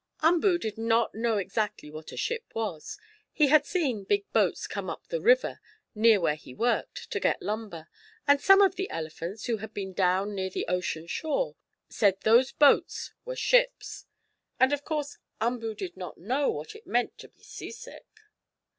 Umboo did not know exactly what a ship was. He had seen big boats come up the river, near where he worked, to get lumber, and some of the elephants, who had been down near the ocean shore, said those boats were ships. And of course Umboo did not know what it meant to be seasick.